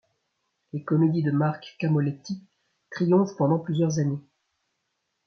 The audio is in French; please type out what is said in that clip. Les comédies de Marc Camoletti triomphent pendant plusieurs années.